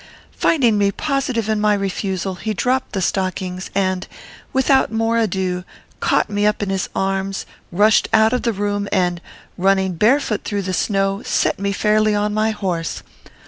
"Finding me positive in my refusal, he dropped the stockings; and, without more ado, caught me up in his arms, rushed out of the room, and, running barefoot through the snow, set me fairly on my horse.